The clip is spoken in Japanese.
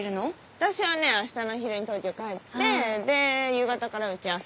私はねあしたの昼に東京帰ってで夕方から打ち合わせ。